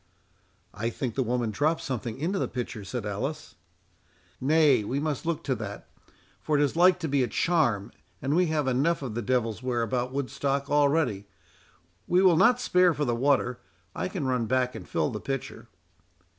"I think the woman dropped something into the pitcher," said Alice. "Nay, we must look to that, for it is like to be a charm, and we have enough of the devil's ware about Woodstock already—we will not spare for the water—I can run back and fill the pitcher."